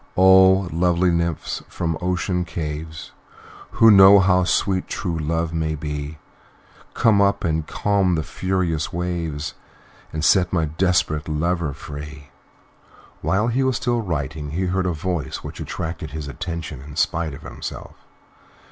"O! lovely Nymphs, from ocean caves, Who know how sweet true love may be, Come up and calm the furious waves And set a desperate lover free!" While he was still writing he heard a voice which attracted his attention in spite of himself.